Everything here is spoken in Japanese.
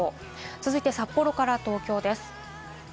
続いて札幌から東京です。